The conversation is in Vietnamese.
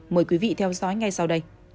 mời quý vị theo dõi ngay sau đây